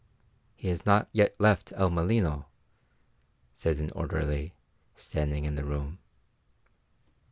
"He has not yet left El Molino," said an orderly, standing in the room.